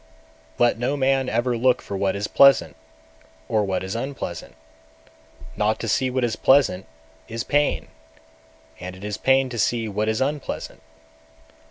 210. Let no man ever look for what is pleasant, or what is unpleasant. Not to see what is pleasant is pain, and it is pain to see what is unpleasant.